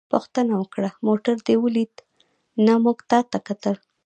پوښتنه وکړه: موټر دې ولید؟ نه، موږ تا ته کتل.